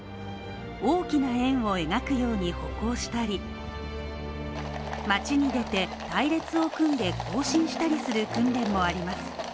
大きな円を描くように歩行したり、街に出て隊列を組んで行進したりする訓練もあります。